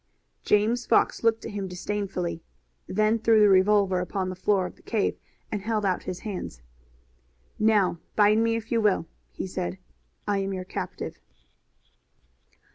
James Fox looked at him disdainfully, then threw the revolver upon the floor of the cave and held out his hands. "Now bind me if you will," he said; "I am your captive."